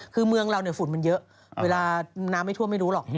คือเมืองเราฝุ่นมันเยอะเวลาน้ำไม่ท่วมไม่รู้หรอก